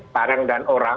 barang dan orang